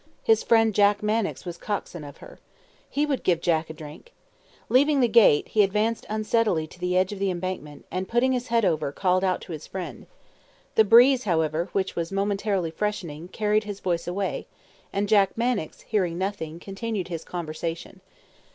His friend Jack Mannix was coxswain of her. He would give Jack a drink. Leaving the gate, he advanced unsteadily to the edge of the embankment, and, putting his head over, called out to his friend. The breeze, however, which was momentarily freshening, carried his voice away; and Jack Mannix, hearing nothing, continued his conversation.